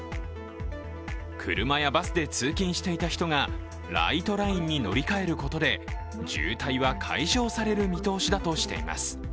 車やバスで通勤していた人がライトラインに乗り換えることで渋滞は解消される見通しだとしています。